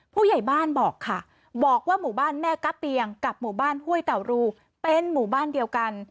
ผู้ใหญ่บ้านบอกค่ะบอกว่าหมู่บ้านแม่กะเปียงกับหมู่บ้านห้วยเต่ารูเป็นหมู่บ้านเดียวกัน